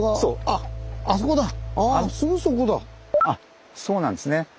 あそうなんですね。